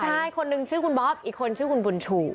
ใช่คนนึงชื่อคุณบ๊อบอีกคนชื่อคุณบุญชู